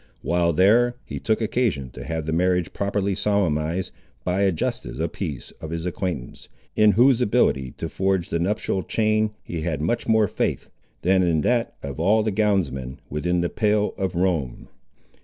While there, he took occasion to have the marriage properly solemnised, by a justice of the peace of his acquaintance, in whose ability to forge the nuptial chain he had much more faith than in that of all the gownsmen within the pale of Rome.